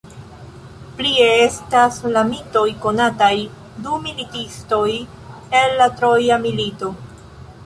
Plie estas el mitoj konataj du militistoj el la Troja milito.